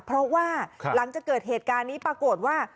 เพราะว่าหลังจากเกิดเหตุการณ์นี้ปรากฏว่า